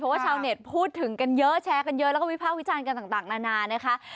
ว่าชาวเน็ตพูดถึงกันเยอะแชร์กันเยอะแล้วก็วิภาควิจารณ์กันต่างนานานะคะ